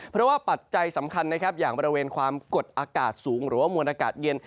เพราะว่าปัจจัยสำคัญนะครับอย่างบริเวณความกดอากาศสูงหรือว่ามวลอากาศเย็น